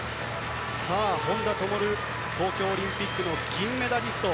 本多灯、東京オリンピックの銀メダリスト。